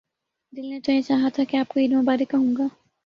دل نے تو یہ چاہا تھا کہ آپ کو عید مبارک کہوں گا۔